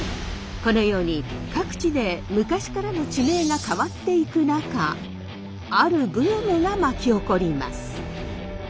このように各地で昔からの地名が変わっていく中あるブームが巻き起こります。